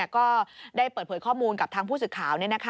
ก็ได้เปิดเผยข้อมูลกับทางผู้สื่อข่าว